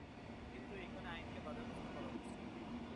কিন্তু এখানে আইনকে বাধাগ্রস্ত করা হচ্ছে।